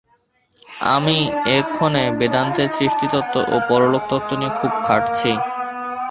আমি এক্ষণে বেদান্তের সৃষ্টিতত্ত্ব ও পরলোকতত্ত্ব নিয়ে খুব খাটছি।